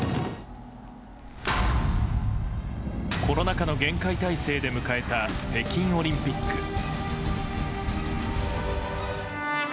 コロナ禍の厳戒態勢で迎えた北京オリンピック。